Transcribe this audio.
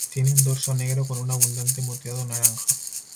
Tiene un dorso negro con un abundante moteado naranja.